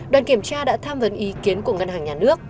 đoàn kiểm tra đã tham vấn ý kiến của ngân hàng nhà nước